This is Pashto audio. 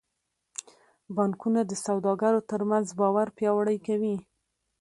بانکونه د سوداګرو ترمنځ باور پیاوړی کوي.